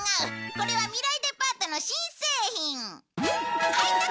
これは未来デパートの新製品！